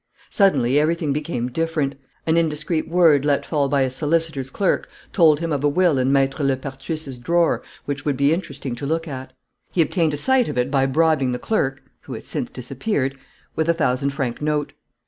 "Suddenly everything became different. An indiscreet word let fall by a solicitor's clerk told him of a will in Maître Lepertuis's drawer which would be interesting to look at. He obtained a sight of it by bribing the clerk, who has since disappeared, with a thousand franc note.